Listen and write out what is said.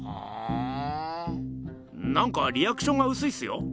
なんかリアクションがうすいっすよ？